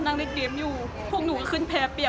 แล้วมากี่คนครับเนี่ย